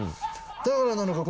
だからなのか